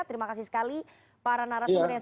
terima kasih sekali para narasumber yang sudah